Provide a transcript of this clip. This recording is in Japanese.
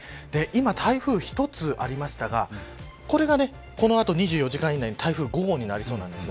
今、台風１つありましたがこれがこの後、２４時間以内に台風５号になりそうなんです。